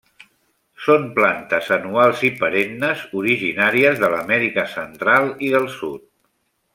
Són plantes anuals i perennes originàries de l'Amèrica Central i del sud.